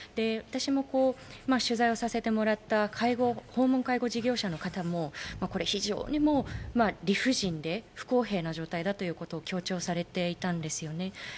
私も取材をさせてもらった訪問介護事業者の方も非常に理不尽で不公平な状態だということを強調されていたんです。